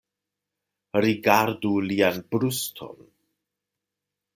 Rigardu lian bruston.